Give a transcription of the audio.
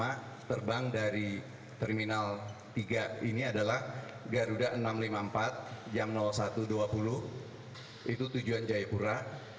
karena terbang dari terminal tiga ini adalah garuda enam ratus lima puluh empat jam satu dua puluh itu tujuan jayapura